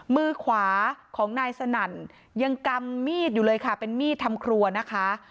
มือขวาของนายสนั่นยังกำมีดอยู่เลยค่ะเป็นมีดทำครัวนะคะ